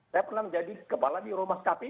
saya pernah menjadi kepala di rumah kapi